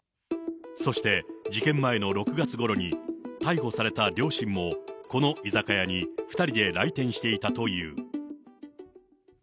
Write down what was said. そして、事件前の６月ごろに逮捕された両親もこの居酒屋に２人で来店していたという。